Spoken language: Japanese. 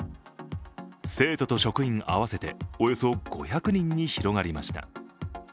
生徒と職員合わせておよそ５００人に広がりました。